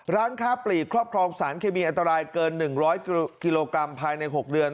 ร้านค้าปลีกครอบครองสารเคมีอันตรายเกิน๑๐๐กิโลกรัมภายใน๖เดือน